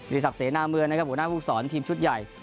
สักเสนาเมืองนะครับหัวหน้าภูมิสอนทีมชุดใหญ่